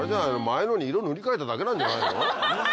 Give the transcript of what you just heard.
前のに色塗り替えただけなんじゃないの？